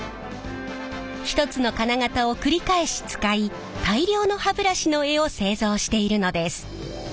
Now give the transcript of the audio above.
１つの金型を繰り返し使い大量の歯ブラシの柄を製造しているのです。